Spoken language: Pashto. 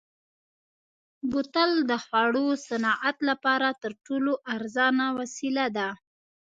بوتل د خوړو صنعت لپاره تر ټولو ارزانه وسیله ده.